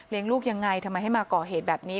ลูกยังไงทำไมให้มาก่อเหตุแบบนี้